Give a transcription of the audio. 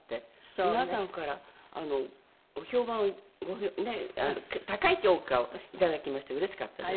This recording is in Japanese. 皆さんからご評判を高い評価をいただきましてうれしかったです。